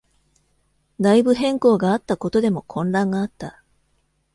内部変更があったことでも混乱があった。